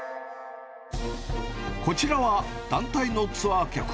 こちらは団体のツアー客。